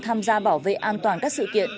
tham gia bảo vệ an toàn các sự kiện